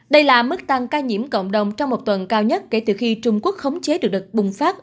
đây là mức tăng ca nhiễm cộng đồng trong một tuần cao nhất kể từ khi trung quốc khống chế được đợt bùng phát